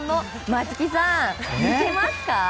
松木さん、似てますか？